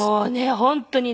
本当にね